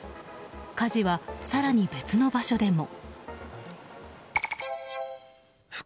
火事は、更に別の場所でも。